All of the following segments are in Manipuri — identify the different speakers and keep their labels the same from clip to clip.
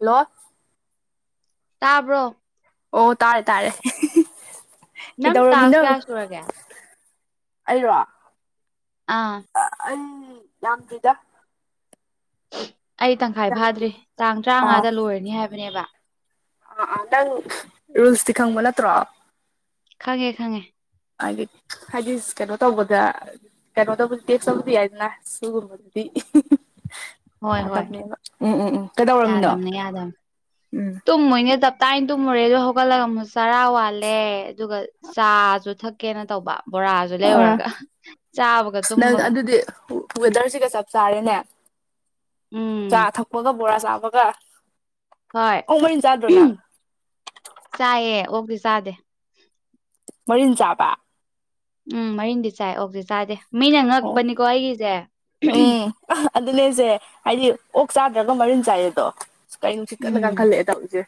Speaker 1: ꯍꯜꯂꯣ
Speaker 2: ꯇꯥꯕ꯭ꯔꯣ
Speaker 1: ꯑꯣ ꯇꯥꯔꯦ ꯇꯥꯔꯦ
Speaker 2: ꯅꯪ ꯇꯥꯛꯁ
Speaker 1: ꯀꯩꯗꯧꯔꯝꯃꯤꯅꯣ
Speaker 2: ꯀꯌꯥ ꯁꯨꯔꯒꯦ
Speaker 1: ꯑꯩꯔꫭ
Speaker 2: ꯑꯥ
Speaker 1: ꯑꯩ ꯌꯥꯝꯗ꯭ꯔꯤꯗ
Speaker 2: ꯑꯩ ꯇꯪꯈꯥꯏ ꯐꯥꯗ꯭ꯔꯤ ꯇꯥꯡ
Speaker 1: ꯑꯥ
Speaker 2: ꯇꯔꯥꯉꯥꯗ ꯂꯣꯏꯔꯅꯤ ꯍꯥꯏꯕꯅꯦꯕ
Speaker 1: ꯑꯥ ꯑꯥ ꯅꯪ ꯔꯨꯜꯁꯇꯤ ꯈꯪꯕ ꯅꯠꯇ꯭ꯔꯣ
Speaker 2: ꯈꯪꯉꯦ ꯈꯪꯉꯦ
Speaker 1: ꯍꯥꯏꯗꯤ ꯍꯥꯏꯗꯤ ꯀꯩꯅꯣ ꯇꯧꯕꯗ ꯀꯩꯅꯣꯗꯕꯨꯗꯤ ꯇꯦꯁꯇꯕꯨꯗꯤ ꯌꯥꯢꯗꯅ ꯁꯤꯒꯨꯝꯕꯗꯗꯤ
Speaker 2: ꯍꯣꯏ ꯍꯣꯏ ꯌꯥꯗꯕꯅꯤ ꯌꯥꯗꯕꯅꯤ
Speaker 1: ꯎꯝ
Speaker 2: ꯇꯨꯝꯃꯣꯏꯅꯦ ꯉꯁꯥꯢ ꯇꯨꯝꯃꯨꯔꯦꯗ ꯍꯧꯒꯠꯂꯒ ꯑꯃꯨꯛ ꯆꯔꯥ ꯋꯥꯠꯂꯦ ꯑꯗꯨꯒ ꯆꯥꯁꯨ ꯊꯛꯀꯦꯅ ꯇꯧꯕ ꯕꯣꯔꯥꯒ ꯂꯩꯔꯨꯔꯒ ꯆꯥꯕꯒ ꯇꯨꯝꯕꯒ
Speaker 1: ꯗ [inaudible] ꯋꯦꯗꯔꯁꯤꯒ ꯆꯞ ꯆꯥꯔꯦꯅꯦ ꯆꯥ
Speaker 2: ꯎꯝ
Speaker 1: ꯊꯛꯄꯒ ꯕꯣꯔꯥ ꯆꯥꯕꯒ
Speaker 2: ꯍꯣꯏ
Speaker 1: ꯑꯣ ꯃꯔꯤꯟ ꯆꯥꯗ꯭ꯔꯣ ꯅꯪ
Speaker 2: ꯆꯥꯏꯌꯦ ꯑꯣꯛꯗꯤ ꯆꯥꯗꯦ
Speaker 1: ꯃꯔꯤꯟ ꯆꯥꯕ
Speaker 2: ꯎꯝ ꯃꯔꯤꯟꯗꯤ ꯆꯥꯏ ꯑꯣꯛꯇꯤ ꯆꯥꯗꯦ ꯃꯤꯅ ꯉꯛꯄꯅꯤꯀꯣ ꯑꯩꯒꯤꯁꯦ
Speaker 1: ꯑ ꯑꯗꯨꯅꯦꯁꯦ ꯍꯥꯏꯗꯤ ꯑꯣꯛ ꯆꯥꯗ꯭ꯔꯒ ꯃꯔꯤꯟ ꯆꯥꯏꯌꯦꯗꯣ ꯀꯩꯅꯣ ꯅꯨꯡꯁꯤꯠ ꯀꯟꯅ
Speaker 2: ꯎꯝ
Speaker 1: ꯀꯪꯈꯠꯂꯛꯑꯦ ꯇꯧꯂꯤꯁꯦ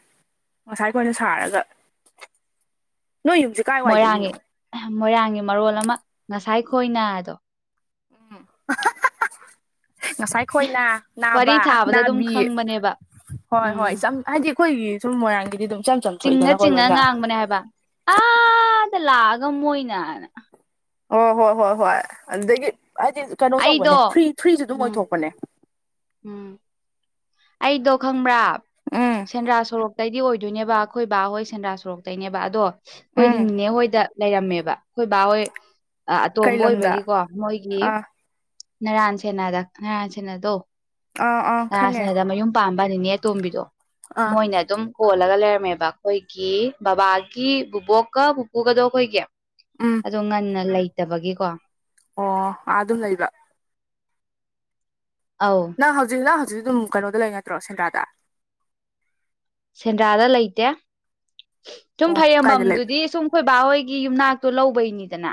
Speaker 1: ꯉꯁꯥꯏ ꯈꯣꯏꯅ ꯁꯥꯔꯒ ꯅꯣꯏ ꯌꯨꯝꯁꯤ
Speaker 2: ꯃꯣꯏꯔꯥꯡꯒꯤ ꯃꯣꯏꯔꯥꯡꯒꯤ ꯃꯔꯣꯜ ꯑꯃ ꯉꯁꯥꯏ ꯈꯣꯏꯅ ꯑꯗꯣ
Speaker 1: ꯎꯝ ꯉꯁꯥꯏ ꯈꯣꯏꯅ
Speaker 2: ꯋꯥꯔꯤ
Speaker 1: ꯅꯥꯕ
Speaker 2: ꯁꯥꯕꯗ ꯑꯗꯨꯝ
Speaker 1: ꯅꯥꯕꯤ
Speaker 2: ꯈꯪꯕꯅꯦꯕ
Speaker 1: ꯍꯣꯏ ꯍꯣꯏ
Speaker 2: ꯎꯝ
Speaker 1: ꯏꯆꯝ ꯍꯥꯏꯗꯤ ꯑꯩꯈꯣꯏꯒꯤ ꯁꯨꯝ ꯃꯣꯏꯔꯥꯡꯒꯤꯗꯤ ꯑꯗꯨꯝ ꯏꯆꯝ
Speaker 2: ꯆꯤꯡꯉ
Speaker 1: ꯆꯝꯊꯣꯛꯏꯗꯅꯀꯣ
Speaker 2: ꯆꯤꯡꯉ
Speaker 1: ꯂꯣꯏꯅ
Speaker 2: ꯉꯥꯡꯕꯅꯦ ꯍꯥꯏꯕ ꯑꯥꯗ ꯂꯥꯛꯑꯒ ꯃꯣꯏꯅꯅ
Speaker 1: ꯑꯣ ꯍꯣꯏ ꯍꯣꯏ ꯍꯣꯏ ꯑꯗꯨꯗꯒꯤ ꯍꯥꯏꯗꯤ ꯀꯩꯅꯣ ꯇꯧꯕꯅꯦ
Speaker 2: ꯑꯩꯗꯣ
Speaker 1: ꯐ꯭ꯔꯤ ꯐ꯭ꯔꯤꯁꯨ ꯑꯗꯨꯝ
Speaker 2: ꯎꯝ
Speaker 1: ꯑꯣꯏꯊꯣꯛꯄꯅꯦ
Speaker 2: ꯎꯝ ꯑꯩꯗꯣ ꯈꯪꯕ꯭ꯔꯥ
Speaker 1: ꯎꯝ
Speaker 2: ꯁꯦꯟꯗ꯭ꯔꯥ ꯁꯣꯔꯣꯛꯇꯩꯗꯤ ꯑꯣꯏꯗꯣꯏꯅꯦꯕ ꯑꯩꯈꯣꯏ ꯕꯥꯍꯣꯏ ꯁꯦꯟꯗ꯭ꯔꯥ ꯁꯣꯔꯣꯛꯇꯩꯅꯦꯕ ꯑꯗꯣ ꯑꯩꯈꯣꯏꯗꯤ
Speaker 1: ꯎꯝ
Speaker 2: ꯅꯅꯤꯅꯦ ꯍꯣꯏꯗ ꯂꯩꯔꯝꯃꯦꯕ ꯑꯩꯈꯣꯏ ꯕꯥ ꯍꯣꯏ
Speaker 1: ꯀꯩ
Speaker 2: ꯑꯇꯣꯝꯕ
Speaker 1: ꯂꯝꯗ
Speaker 2: ꯑꯣꯏꯕꯒꯤꯀꯣ ꯃꯣꯏꯒꯤ
Speaker 1: ꯑꯥ
Speaker 2: ꯅꯔꯥꯟ ꯁꯦꯅꯥꯗ ꯅꯔꯥꯟ ꯁꯦꯅꯥꯗꯣ
Speaker 1: ꯑꯥ ꯑꯥ
Speaker 2: ꯅꯔꯥꯟ
Speaker 1: ꯈꯪꯉꯦ
Speaker 2: ꯁꯦꯅꯥꯗ ꯃꯌꯨꯝ ꯄꯥꯝꯕꯅꯤꯅꯦ ꯑꯇꯣꯝꯕꯤꯗꯣ
Speaker 1: ꯑꯥ
Speaker 2: ꯃꯣꯏꯅ ꯑꯗꯨꯝ ꯀꯣꯜꯂꯒ ꯂꯩꯔꯝꯃꯦꯕ ꯑꯩꯈꯣꯏꯒꯤ ꯕꯕꯥꯒꯤ ꯕꯕꯣꯛꯀ ꯄꯨꯄꯨꯒꯗꯣ ꯑꯩꯈꯣꯏꯒꯤ
Speaker 1: ꯎꯝ
Speaker 2: ꯑꯗꯣ ꯉꯟꯅ ꯂꯩꯇꯕꯒꯤꯀꯣ
Speaker 1: ꯑꯣ ꯑꯗꯨ ꯂꯩꯕ
Speaker 2: ꯑꯥꯎ
Speaker 1: ꯅꯪ ꯍꯧꯖꯤꯛ ꯅꯪ ꯍꯧꯖꯤꯛ ꯑꯗꯨꯝ ꯀꯩꯅꯣꯗ ꯂꯩ ꯅꯠꯇ꯭ꯔꯣ ꯁꯦꯟꯗ꯭ꯔꯥꯗ
Speaker 2: ꯁꯦꯟꯗ꯭ꯔꯥꯗ ꯂꯩꯇꯦ ꯁꯨꯝ
Speaker 1: ꯑꯣ ꯀꯥꯏꯗ ꯂꯩꯕ
Speaker 2: ꯐꯔꯦꯝꯕꯝꯗꯨꯗꯤ ꯁꯨꯝ ꯈꯣꯏꯕꯥ ꯍꯣꯏꯒꯤ ꯌꯨꯝꯅꯥꯛꯇꯣ ꯂꯧꯕꯩꯅꯤꯗꯅ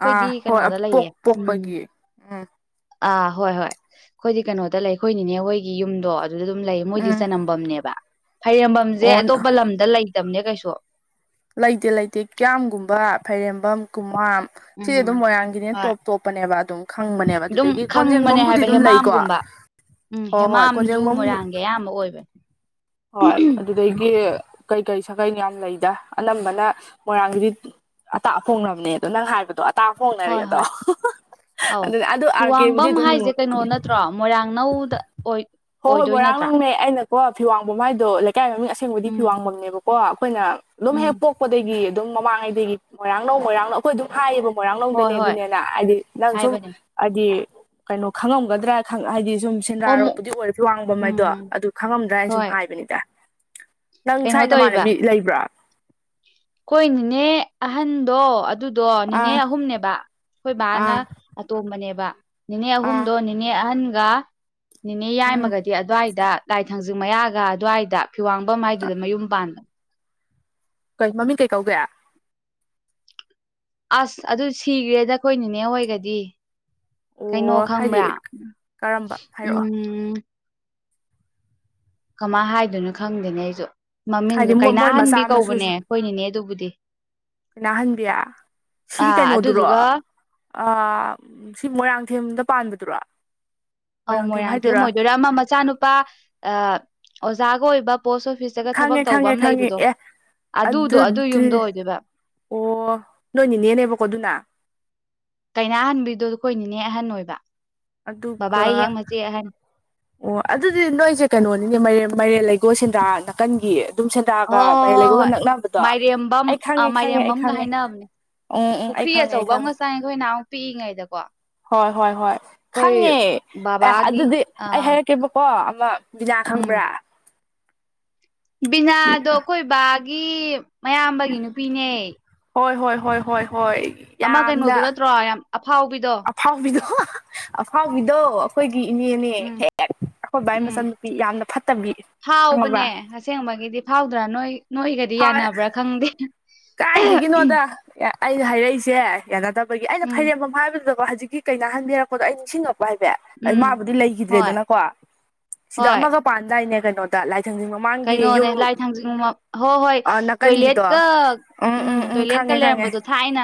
Speaker 1: ꯑꯥ ꯍꯣꯏ
Speaker 2: ꯀꯩꯅꯣꯗ
Speaker 1: ꯄꯣꯛ
Speaker 2: ꯂꯩꯌꯦ ꯎꯝ
Speaker 1: ꯄꯣꯛꯄꯒꯤ ꯎꯝ
Speaker 2: ꯑꯥ ꯍꯣꯏ ꯍꯣꯏ ꯑꯩꯈꯣꯏꯗꯤ ꯀꯩꯅꯣꯗ ꯂꯩꯈꯣꯏꯅꯤꯅꯦ ꯍꯣꯏꯒꯤ ꯌꯨꯝꯗꯣ ꯑꯗꯨꯗ ꯑꯗꯨꯝ ꯂꯩ ꯃꯣꯏꯗꯤ
Speaker 1: ꯎꯝ
Speaker 2: ꯆꯅꯝꯐꯝꯝꯅꯦꯕ ꯐꯩꯔꯦꯝꯕꯝꯁꯦ
Speaker 1: ꯑꯣ
Speaker 2: ꯑꯇꯣꯞꯄ ꯂꯝꯗ ꯂꯩꯇꯕꯅꯦ ꯀꯩꯁꯨ
Speaker 1: ꯂꯩꯇꯦ ꯂꯩꯇꯦ ꯀꯌꯥꯝꯒꯨꯝꯕ ꯐꯩꯔꯦꯝꯕꯝ ꯀꯨꯃꯥꯝ
Speaker 2: ꯎꯝ
Speaker 1: ꯁꯤꯗꯤ ꯑꯗꯨꯝ ꯃꯣꯏꯔꯥꯡꯒꯤꯅꯦ ꯇꯣꯞ
Speaker 2: ꯍꯣꯏ
Speaker 1: ꯇꯣꯞ ꯊꯣꯛꯄꯅꯦꯕ ꯑꯗꯨꯝ ꯈꯪꯕꯅꯦꯕ
Speaker 2: ꯑꯗꯨꯝ
Speaker 1: ꯑꯗꯨꯗꯒꯤ
Speaker 2: ꯈꯪꯕꯅꯦ
Speaker 1: ꯀꯣꯟꯖꯦꯡꯐꯝꯕꯨꯗꯤ
Speaker 2: ꯍꯥꯏꯕ
Speaker 1: ꯑꯗꯨꯝ ꯂꯩꯀꯣ
Speaker 2: ꯍꯦꯃꯥꯝꯒꯨꯝꯕ ꯎꯝ
Speaker 1: ꯍꯣꯏ ꯍꯣꯏ
Speaker 2: ꯍꯦꯃꯥꯝꯁꯨ
Speaker 1: ꯀꯣꯟꯖꯦꯡꯕꯝ
Speaker 2: ꯃꯣꯏꯔꯥꯡꯒꯤ ꯑꯌꯥꯝꯕ ꯑꯣꯏꯕꯅꯦ
Speaker 1: ꯍꯣꯏ ꯑꯗꯨꯗꯒꯤ ꯀꯩꯀꯔꯤ ꯁꯥꯀꯩꯅꯤ ꯌꯥꯝ ꯂꯩꯗ ꯑꯅꯝꯕꯅ ꯃꯣꯏꯔꯥꯡꯒꯤꯗꯤ ꯑꯇꯥ ꯑꯍꯣꯡꯅꯕꯅꯦ ꯑꯗꯣ ꯅꯪ ꯍꯥꯏꯕꯗꯣ ꯇꯥ ꯐꯣꯡꯅꯔꯦ
Speaker 2: ꯍꯣꯏ
Speaker 1: ꯑꯗꯣ
Speaker 2: ꯍꯣꯏ ꯑꯧ
Speaker 1: ꯑꯗꯨ ꯑꯗꯨ ꯑꯥꯔ ꯀꯦꯕꯨꯗꯤ
Speaker 2: ꯋꯥꯡꯕꯝ
Speaker 1: ꯑꯗꯨꯝ
Speaker 2: ꯍꯥꯏꯁꯦ ꯀꯩꯅꯣ
Speaker 1: ꯅꯔꯛꯄꯅꯤ
Speaker 2: ꯅꯠꯇ꯭ꯔꯣ ꯃꯣꯏꯔꯥꯡꯅꯧꯗ ꯑꯣꯏ
Speaker 1: ꯍꯣꯏ ꯍꯣꯏ
Speaker 2: ꯑꯣꯏꯗꯣꯏ
Speaker 1: ꯃꯣꯏꯔꯥꯡ
Speaker 2: ꯅꯠꯇ꯭ꯔꯥ
Speaker 1: ꯅꯪꯃꯦ ꯑꯩꯅꯀꯣ ꯐꯤꯋꯥꯡꯕꯝ ꯍꯥꯏꯗꯣ ꯂꯩꯀꯥꯏ ꯃꯃꯤꯡ ꯑꯁꯦꯡꯕꯗꯤ
Speaker 2: ꯎꯝ
Speaker 1: ꯐꯤꯋꯥꯡꯕꯝꯅꯦꯕꯣ ꯀ ꯑꯩꯈꯣꯏꯅ ꯑꯗꯨꯝ
Speaker 2: ꯎꯝ
Speaker 1: ꯍꯦꯛ ꯄꯣꯛꯄꯗꯒꯤ ꯑꯗꯨꯝ ꯃꯃꯥꯡꯉꯩꯗꯒꯤ ꯃꯣꯏꯔꯥꯡ ꯂꯧꯧ ꯃꯣꯏꯔꯥꯡ ꯅꯧ ꯑꯩꯈꯣꯏ ꯑꯗꯨꯝ ꯍꯥꯏꯌꯦꯕ
Speaker 2: ꯍꯣꯏ
Speaker 1: ꯃꯣꯏꯔꯥꯡꯂꯧꯗꯅꯦ
Speaker 2: ꯍꯣꯏ
Speaker 1: ꯑꯗꯨꯅꯦꯅ ꯍꯥꯏꯗꯤ ꯅꯪ ꯁꯨꯝ
Speaker 2: ꯍꯥꯏꯕꯅꯦ
Speaker 1: ꯍꯥꯏꯗꯤ ꯀꯩꯅꯣ ꯈꯪꯉꯝꯒꯗ꯭ꯔꯥ ꯍꯥꯏꯗꯤ ꯁꯨꯝ ꯁꯦꯟꯗ꯭ꯔꯥꯔꯣꯠ
Speaker 2: ꯍꯣꯃꯣ
Speaker 1: ꯑꯣꯏꯔꯦ ꯐꯤ ꯋꯥꯡꯕꯝ ꯍꯥꯏꯩꯗꯣ
Speaker 2: ꯎꯝ
Speaker 1: ꯑꯗꯨ ꯈꯪꯉꯝꯗ꯭ꯔꯥ ꯍꯥꯏꯅ ꯁꯨꯝ
Speaker 2: ꯍꯣꯏ
Speaker 1: ꯍꯥꯏꯕꯅꯤꯗ ꯅꯪ
Speaker 2: ꯀꯩꯅꯣ
Speaker 1: ꯁ꯭ꯋꯥꯏ
Speaker 2: ꯇꯧꯔꯤꯕ
Speaker 1: ꯅꯃꯥꯟꯅꯕꯤ ꯂꯩꯕ꯭ꯔꯥ
Speaker 2: ꯀꯣꯏꯅꯤꯅꯦ ꯑꯍꯟꯗꯣ ꯑꯗꯨꯗꯣ ꯅꯤꯅꯦ
Speaker 1: ꯑꯥ
Speaker 2: ꯑꯍꯨꯝꯅꯦꯕ ꯑꯩꯈꯣꯏ ꯕꯥꯅ
Speaker 1: ꯑꯥ
Speaker 2: ꯑꯇꯣꯝꯕꯅꯦꯕ ꯅꯤꯅꯦ
Speaker 1: ꯑꯥ
Speaker 2: ꯑꯍꯨꯝꯗꯣ ꯅꯤꯅꯦ ꯑꯍꯟꯒ ꯅꯤꯅꯦ
Speaker 1: ꯎꯝ
Speaker 2: ꯌꯥꯝꯃꯒꯗꯤ ꯑꯗꯨꯋꯥꯏꯗ ꯂꯥꯏ ꯊꯥꯡꯖꯤꯡ ꯃꯌꯥꯒ ꯑꯗꯨꯋꯥꯏꯗ ꯐꯤꯋꯥꯡꯕ ꯃꯥꯏꯗꯨꯗ ꯃꯌꯨꯝ ꯄꯥꯟꯕ
Speaker 1: ꯀꯩ ꯃꯃꯤꯡ ꯀꯩ ꯀꯧꯗꯣꯏꯦ
Speaker 2: ꯑꯁ ꯑꯗꯨ ꯁꯤꯈ꯭ꯔꯦꯗ ꯑꯩꯈꯣꯏ ꯅꯦ ꯍꯣꯏꯒꯗꯤ ꯀꯩꯅꯣ
Speaker 1: ꯑꯣ ꯍꯥꯏꯗꯤ
Speaker 2: ꯈꯪꯕ꯭ꯔꯥ
Speaker 1: ꯀꯔꯝꯕ ꯍꯥꯏꯔꯛꯑꯣ
Speaker 2: ꯎꯝ ꯀꯃꯥꯏꯅ ꯍꯥꯏꯗꯣꯏꯅꯣ ꯈꯪꯗꯦꯅꯦ ꯑꯩꯁꯨ ꯃꯃꯤꯡꯗꯣ
Speaker 1: ꯍꯥꯏꯗꯤ ꯃꯣꯏ ꯃꯆꯥ
Speaker 2: ꯀꯩꯅꯥꯍꯟꯕꯤ ꯀꯧꯕꯅꯦ ꯑꯩꯈꯣꯏꯅꯤꯅꯦ ꯑꯗꯨꯕꯨꯗꯤ
Speaker 1: ꯀꯅꯥꯍꯟꯕꯤꯌꯥ ꯁꯤꯒꯤ
Speaker 2: ꯑꯥ
Speaker 1: ꯀꯩꯅꯣꯗꯨꯔꯣ
Speaker 2: ꯑꯗꯨꯗꯨꯒ
Speaker 1: ꯁꯤ ꯃꯣꯏꯔꯥꯡꯊꯦꯝꯗ ꯄꯥꯟꯕꯗꯨꯔꯥ
Speaker 2: ꯑꯧ ꯃꯣꯏꯔꯥꯡꯊꯦꯝ ꯑꯣꯏꯗꯣꯏꯔꯥ ꯑꯃ ꯃꯆꯥꯅꯨꯄꯥ ꯑ ꯑꯣꯖꯥꯒ ꯑꯣꯏꯕ ꯄꯣꯁꯐ ꯑꯣꯐꯤꯁꯇꯒ ꯊꯕꯛ
Speaker 1: ꯈꯪꯉꯦ
Speaker 2: ꯇꯧꯕ
Speaker 1: ꯈꯪꯉꯦ
Speaker 2: ꯑꯃ
Speaker 1: ꯈꯪꯉꯦ
Speaker 2: ꯂꯩꯕꯗꯣ
Speaker 1: ꯑꯦ
Speaker 2: ꯑꯗꯨꯗꯣ ꯑꯗꯨ ꯌꯨꯝꯗ
Speaker 1: ꯑꯗꯨꯗꯤ
Speaker 2: ꯑꯣꯏꯗꯣꯏꯕ
Speaker 1: ꯑꯣ ꯅꯣꯏꯅꯤꯅꯦꯅꯦꯕꯀꯣ ꯑꯗꯨꯅ
Speaker 2: ꯀꯩꯅꯥꯍꯟꯕꯤꯗꯣ ꯑꯩꯈꯣꯏꯅꯤꯅꯦ ꯑꯍꯟ ꯑꯣꯏꯕ ꯕꯕꯥ
Speaker 1: ꯑꯗꯨꯒ
Speaker 2: ꯍꯦꯛ ꯃꯆꯦ ꯑꯍꯟ
Speaker 1: ꯑꯣ ꯑꯗꯨꯗꯤ ꯅꯣꯏꯁꯦ ꯀꯩꯅꯣꯅꯤꯅꯦ ꯃꯥꯏꯔꯦꯟ ꯂꯩꯒꯣꯜꯁꯦꯟꯗꯔ ꯅꯥꯀꯟꯒꯤ ꯑꯗꯨꯝ
Speaker 2: ꯍꯣꯏ
Speaker 1: ꯁꯦꯟꯗ꯭ꯔꯥꯒ
Speaker 2: ꯍꯣꯏ
Speaker 1: ꯃꯥꯏꯔꯦꯟ
Speaker 2: ꯍꯣꯏ
Speaker 1: ꯂꯩꯒꯣꯜꯒ
Speaker 2: ꯍꯣꯏ
Speaker 1: ꯅꯛꯅꯕꯗꯣ
Speaker 2: ꯃꯥꯏꯔꯦꯝꯕꯝ
Speaker 1: ꯑꯩ ꯈꯪꯉꯦ ꯈꯪꯉꯦ ꯑꯩ
Speaker 2: ꯃꯥꯏꯔꯦꯝꯕꯝꯒ
Speaker 1: ꯈꯪꯉꯦ
Speaker 2: ꯍꯥꯏꯅꯕꯅꯦ
Speaker 1: ꯎꯝ ꯎꯝ ꯑꯩ
Speaker 2: ꯄꯨꯈ꯭ꯔꯤ
Speaker 1: ꯈꯪꯉꯦ ꯑꯩ
Speaker 2: ꯑꯆꯧꯕ
Speaker 1: ꯈꯪꯉꯦ
Speaker 2: ꯑꯃꯛꯀ ꯆꯪꯉꯦ ꯑꯩꯈꯣꯏ ꯅꯍꯨꯛ ꯄꯤꯛꯏꯉꯩꯗꯀꯣ
Speaker 1: ꯍꯣꯏ ꯍꯣꯏ ꯍꯣꯏ
Speaker 2: ꯑꯩꯈꯣꯏ
Speaker 1: ꯈꯪꯉꯦ ꯑꯦ
Speaker 2: ꯕꯕꯥꯒꯤ
Speaker 1: ꯑꯗꯨꯗꯤ ꯑꯩ
Speaker 2: ꯑꯥ
Speaker 1: ꯍꯥꯏꯔꯛꯀꯦꯕꯀꯣ ꯑꯃ ꯕꯤꯅꯥ
Speaker 2: ꯎꯝ
Speaker 1: ꯈꯪꯕ꯭ꯔꯥ
Speaker 2: ꯕꯤꯅꯥꯗꯣ ꯑꯩꯈꯣꯏ ꯕꯥꯒꯤ ꯃꯌꯥꯝꯕꯒꯤ ꯅꯨꯄꯤꯅꯦ
Speaker 1: ꯍꯣꯏ ꯍꯣꯏ ꯍꯣꯏ ꯍꯣꯏ ꯍꯣꯏ
Speaker 2: ꯑꯃ
Speaker 1: ꯌꯥꯝꯅ
Speaker 2: ꯀꯩꯅꯣꯗꯨ ꯅꯠꯇ꯭ꯔꯣ ꯌꯥꯝ ꯑꯐꯥꯎꯕꯤꯗꯣ
Speaker 1: ꯑꯐꯥꯎꯕꯤꯗꯣ ꯑꯐꯥꯎꯕꯤꯗꯣ ꯑꯩꯈꯣꯏꯒꯤ ꯏꯅꯦꯅꯦ
Speaker 2: ꯎꯝ
Speaker 1: ꯍꯦꯛ ꯑꯩꯈꯣꯏ ꯕꯥ ꯒꯤ
Speaker 2: ꯎꯝ
Speaker 1: ꯃꯆꯟꯅꯨꯄꯤ ꯌꯥꯝꯅ ꯐꯠꯇꯕꯤ ꯈꯪꯉꯕ꯭ꯔꯥ
Speaker 2: ꯑꯦ ꯑꯁꯦꯡꯕꯒꯤꯗꯤ ꯐꯥꯎꯗ꯭ꯔꯥ ꯅꯣꯏ ꯅꯣꯏꯒꯗꯤ ꯌꯥꯅꯕ꯭ꯔꯥ ꯈꯪꯗꯦ
Speaker 1: ꯀꯥꯏꯗꯒꯤꯅꯣꯗ ꯑꯩꯩꯅ ꯍꯥꯏꯔꯛꯏꯁꯦ ꯌꯥꯅꯗꯕꯒꯤ ꯑꯩꯅ
Speaker 2: ꯎꯝ
Speaker 1: ꯊꯩꯔꯦꯝꯐꯝ ꯍꯥꯏꯕꯗꯨꯗꯀ ꯍꯧꯖꯤꯛꯀꯤ ꯀꯩꯅꯍꯟꯕꯤꯔꯛꯄꯗꯣ ꯑꯩ ꯅꯤꯡꯁꯤꯡꯉꯛꯄ ꯍꯥꯏꯕꯦ
Speaker 2: ꯎꯝ
Speaker 1: ꯃꯥꯕꯨꯗꯤ
Speaker 2: ꯍꯣꯏ
Speaker 1: ꯂꯩꯈꯤꯗ꯭ꯔꯦꯗꯅꯀꯣ ꯁꯤꯗ
Speaker 2: ꯍꯣꯏ
Speaker 1: ꯑꯃꯒ ꯄꯥꯟꯗꯥꯏꯅꯦ ꯀꯩꯅꯣꯗ ꯂꯥꯏ ꯊꯪ
Speaker 2: ꯀꯩꯅꯣꯅꯦ ꯂꯥꯏ ꯊꯥꯡꯖꯤꯡ ꯍꯣꯏ ꯍꯣꯏ
Speaker 1: ꯅꯥꯀꯟꯒꯤꯗꯣ
Speaker 2: ꯇꯣꯏꯂꯦꯠꯀ ꯎꯝ ꯇꯣꯏꯂꯦꯠꯀ ꯂꯩꯔꯝꯕꯗꯣ ꯊꯥꯏꯅ